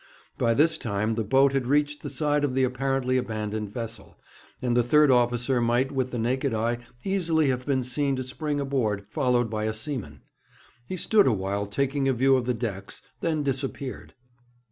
By this time the boat had reached the side of the apparently abandoned vessel, and the third officer might with the naked eye easily have been seen to spring aboard, followed by a seaman. He stood awhile taking a view of the decks, then disappeared.